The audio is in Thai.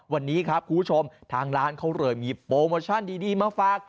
วันนี้ครับคุณผู้ชมทางร้านเขาเลยมีโปรโมชั่นดีมาฝาก